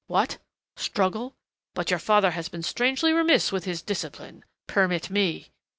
"What struggle? But your father has been strangely remiss with his discipline.... Permit me."